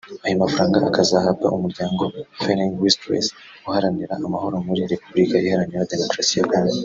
Ayo mafaranga akazahabwa Umuryango Falling Whistles uharanira amahoro muri Repuburika iharanira Demokarasi ya Congo